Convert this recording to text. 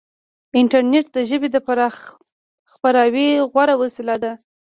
انټرنیټ د ژبې د خپراوي غوره وسیله ده.